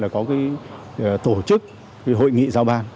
có tổ chức hội nghị giao ban